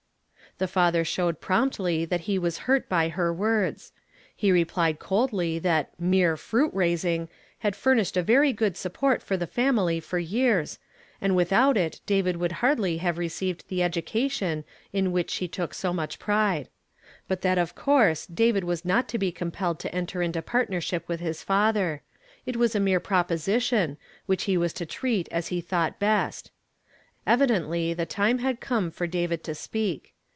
The father showed promptlj^ that he was hurt by her words. He replied coldly that "mere fruit raising" had furnislied a very good support for the family for years, and without it David would hardly have received the education in Y1':STKUDAY FIIAMED tN TO DAY. which she took so much pride. But that of coui se David was not to be compelled to enter mto partnei"ship with his father; it was a mere proposition, wliich he was to treat as he thought best. Evidently the time had come for David to speak.